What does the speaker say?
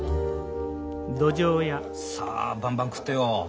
さあバンバン食ってよ。